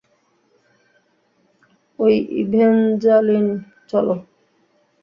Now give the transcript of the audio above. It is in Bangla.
ঐ ইভেঞ্জ্যালিন, চলো!